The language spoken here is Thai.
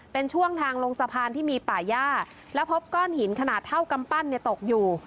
เป็นช่วงทางลงสะพานที่มีป่าย่าแล้วพบก้อนหินขนาดเท่ากำปั้นเนี่ยตกอยู่